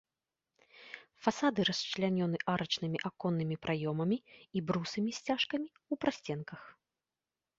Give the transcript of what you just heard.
Фасады расчлянёны арачнымі аконнымі праёмамі і брусамі-сцяжкамі ў прасценках.